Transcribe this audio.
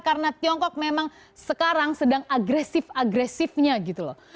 karena tiongkok memang sekarang sedang agresif agresifnya gitu loh